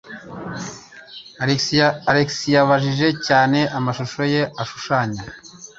Alex yabajije cyane, amashusho ye ashushanya.